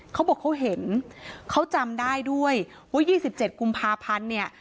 เขาบอกเขาเห็นเขาจำได้ด้วยว่า๒๗กุมภาพันธ์เนี่ย